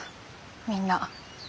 みんな。